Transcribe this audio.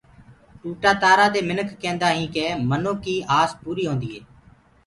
ٽوٽآ تآرآ دي مِنک ڪيندآ هينٚ ڪي منو ڪيٚ آس پوري هونديٚ هي۔